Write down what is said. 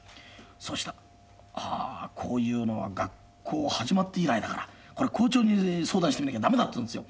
そしたら「ああこういうのは学校始まって以来だからこれ校長に相談してみなきゃ駄目だ」って言うんですよ。